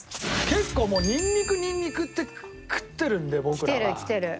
結構もうニンニクニンニクって食ってるんで僕らは。きてるきてる。